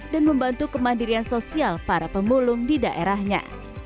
dan membantu kemandirian sosial para pembulung di daerahnya